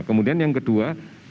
kemudian yang kedua